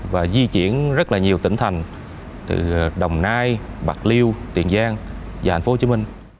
và di chuyển rất nhiều tỉnh thành từ đồng nai bạc liêu tiền giang và tp hcm